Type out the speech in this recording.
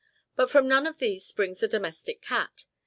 But from none of all these springs the domestic cat.